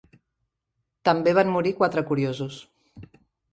"També van morir quatre curiosos."